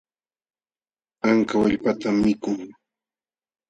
Anka wallpatan mikun.